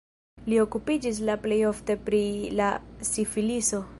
Li okupiĝis la plej ofte pri la sifiliso.